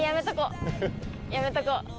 やめとこ。